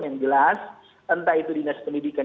yang jelas entah itu dinas pendidikan